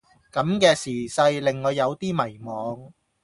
咁嘅時勢令我有啲迷惘